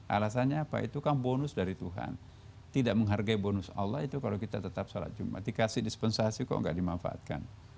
alasannya apa itu kan bonus dari tuhan tidak menghargai bonus allah itu kalau kita tetap sholat jumat dikasih dispensasi kok nggak dimanfaatkan